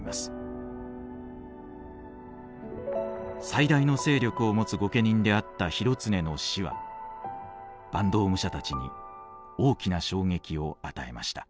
最大の勢力を持つ御家人であった広常の死は坂東武者たちに大きな衝撃を与えました。